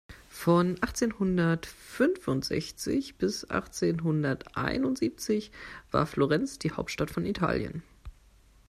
Von achtzehnhundertfünfundsechzig bis achtzehnhunderteinundsiebzig war Florenz die Hauptstadt von Italien.